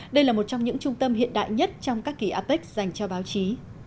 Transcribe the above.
đây là một trong những trung tâm hiện đại nhất trong các kỳ apec dành cho báo chí